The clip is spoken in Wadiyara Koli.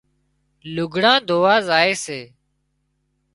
لگھڙان ڌووا زائي سي